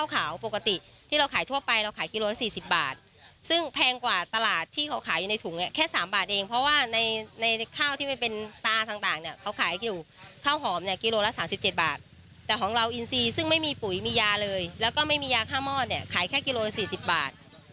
ข้าวกล้องกิโลกรัมละ๔๐บาท